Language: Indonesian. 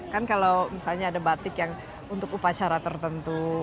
kan kalau misalnya ada batik yang untuk upacara tertentu